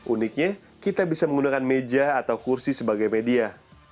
uniknya kita bisa menggunakan meja atau kursi sebagai media